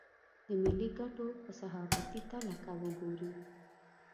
د ملي ګټو په صحافتي تله که وګوري.